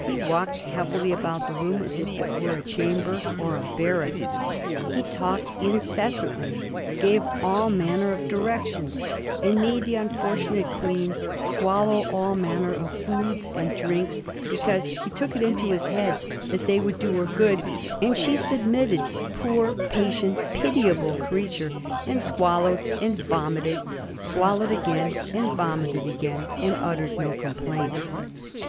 He walked heavily about the room as if it were a chamber in a barrack ; he talked in cessantly; gave all manner of directions; made the unfortu nate Queen swallow all manner of foods and drinks because he took it into his head that they would do her good; and she submitted, poor, patient, pitiable creature, and swal lowed and vomited, swallowed again and vomited again, and uttered no complaint.